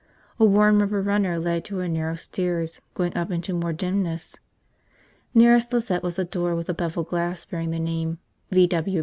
A worn rubber runner led to a narrow stairs going up into more dimness. Nearest Lizette was a door with a beveled glass bearing the name, "V. W.